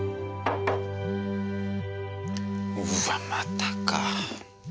うわまたか。